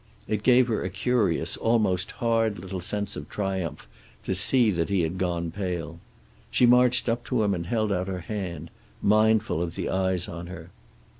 It gave her a curious, almost hard little sense of triumph to see that he had gone pale. She marched up to him and held out her hand, mindful of the eyes on her.